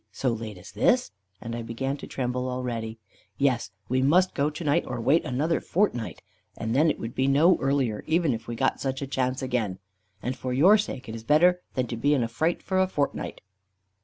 so late as this?" And I began to tremble already. "Yes, we must go to night, or wait for another fortnight; and then it would be no earlier, even if we got such a chance again. And for your sake it is better than to be in a fright for a fortnight."